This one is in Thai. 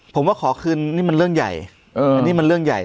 ผมว่าขอคืนนี่มันเรื่องใหญ่